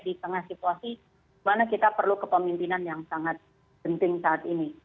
di tengah situasi di mana kita perlu kepemimpinan yang sangat penting saat ini